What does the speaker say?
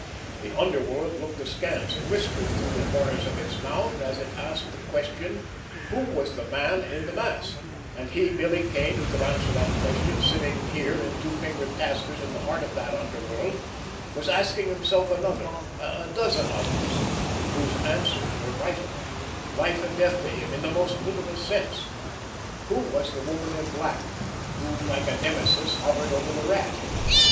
The underworld looked askance and whispered through the corners of its mouth as it asked the question: Who was the man in the mask? And he, Billy Kane, who could answer that question, sitting here in Two finger Tasker's in the heart of that underworld, was asking himself another, a dozen others, whose answers were vital, life and death to him in the most literal sense. Who was the Woman in Black, who, like a Nemesis, hovered over the Rat?